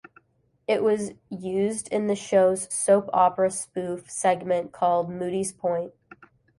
It was used in the show's soap opera spoof segment called "Moody's Point".